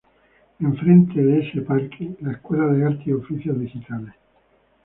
Enfrente de ese parque, la Escuela de Artes y Oficios Digitales.